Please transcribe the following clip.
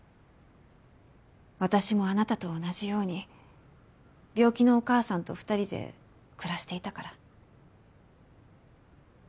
私もあなたと同じように病気のお母さんと２人で暮らしていたから。